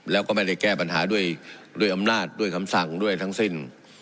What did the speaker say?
แล้วก็ไม่ได้แก้ปัญหาด้วยอำนาจด้วยคำสั่งด้วยทั้งสิ้น